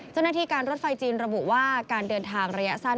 เจ้าหน้าที่การรถไฟจีนระบุว่าการเดินทางระยะสั้น